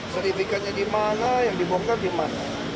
sertifikatnya di mana yang dibongkar di mana